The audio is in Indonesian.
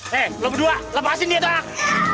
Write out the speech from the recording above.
hei lo berdua lepasin dia dong